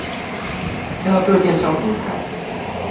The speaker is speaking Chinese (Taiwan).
看到各電商平台